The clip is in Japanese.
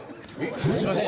すいません。